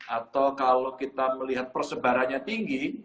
atau kalau kita melihat persebarannya tinggi